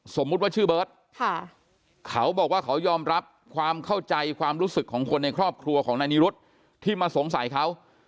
สมมุติว่าชื่อเบิร์ตเขาบอกว่าเขายอมรับความเข้าใจความรู้สึกของคนในครอบครัวของนายนิรุธที่มาสงสัยเขา